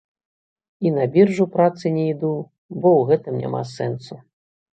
І на біржу працы не іду, бо ў гэтым няма сэнсу.